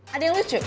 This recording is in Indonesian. ada yang lucu